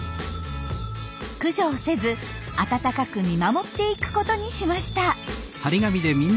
駆除をせず温かく見守っていくことにしました。